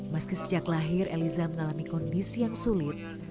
meski sejak lahir eliza mengalami kondisi yang sulit